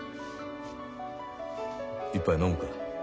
一杯飲むか？